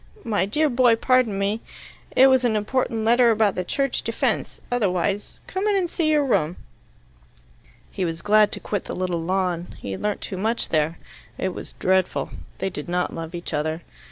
My dear boy, pardon me. It was an important letter about the Church Defence, otherwise . Come in and see your room." He was glad to quit the little lawn. He had learnt too much there. It was dreadful: they did not love each other.